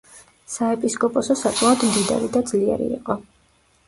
საეპისკოპოსო საკმაოდ მდიდარი და ძლიერი იყო.